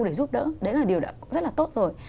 để giúp đỡ đấy là điều rất là tốt rồi